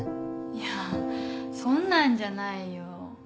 いやそんなんじゃないよ。